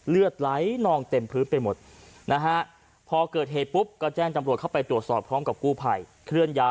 เลือดไหลนองเต็มพื้นไปหมดนะฮะพอเกิดเหตุปุ๊บก็แจ้งจำรวจเข้าไปตรวจสอบพร้อมกับกู้ภัยเคลื่อนย้าย